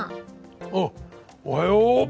おっおはよう。